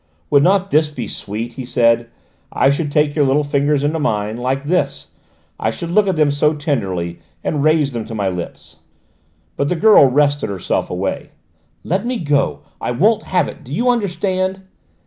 "Would not this be sweet?" he said. "I should take your little fingers into mine like this; I should look at them so tenderly, and raise them to my lips " But the girl wrested herself away. "Let me go! I won't have it! Do you understand?"